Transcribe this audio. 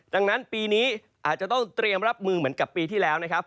ดังนั้นปีนี้อาจจะต้องเตรียมรับมือเหมือนกับปีที่แล้วนะครับ